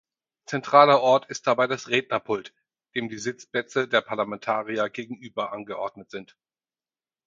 Zentraler Ort ist dabei das Rednerpult, dem die Sitzplätze der Parlamentarier gegenüber angeordnet sind.